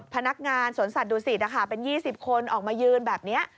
พนักงานสวนสัตว์ดูสิทธิ์นะคะเป็น๒๐คนออกมายืนแบบนี้